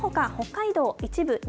そのほか北海道